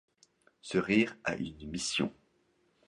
Ce rire a une mission.